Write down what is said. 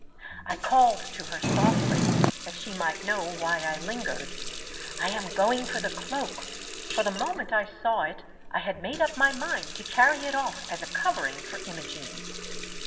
I called to her softly — that she might know why I lingered — "I am going for the cloak," for the moment I saw it I had made up my mind to carry it off as a covering for Imogene.